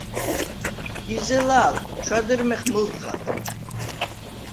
იზელა̄ლ, ჩვედჷრმეხ მჷლდღად.